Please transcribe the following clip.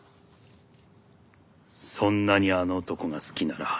そんなにあの男が好きなら話にならん。